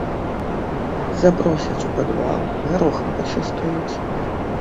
Запросяць у падвал, гарохам пачастуюць.